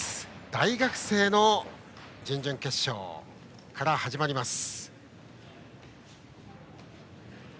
大学生の準々決勝から始まります。